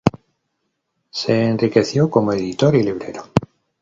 Se enriqueció como editor y librero.